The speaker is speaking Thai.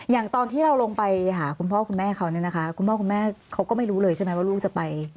อย่างที่เราลงไปหาคุณพ่อคุณแม่เขาเนี่ยนะคะคุณพ่อคุณแม่เขาก็ไม่รู้เลยใช่ไหมว่าลูกจะไป